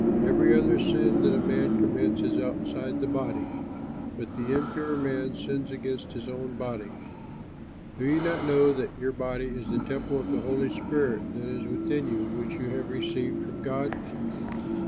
Every other sin that a man commits is outside the body, but the impure man sins against his own body. Do you not know that your body is the temple of the Holy Spirit that is within you, which you have received from God?